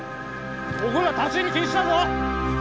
ここらは立ち入り禁止だぞ！